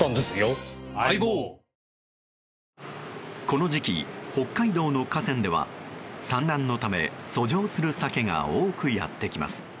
この時期、北海道の河川では産卵のため遡上するサケが多くやってきます。